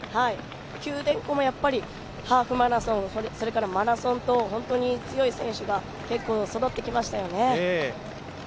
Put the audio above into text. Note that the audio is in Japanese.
九電工もハーフマラソン、マラソンと強い選手が結構育ってきましたよね。